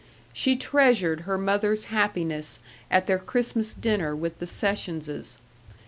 She treasured her mother's happiness at their Christmas dinner with the Sessionses.